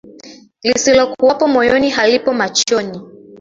Lisilokuwapo moyoni, halipo machoni